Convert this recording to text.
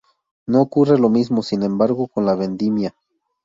No ocurre lo mismo sin embargo, con la "vendimia".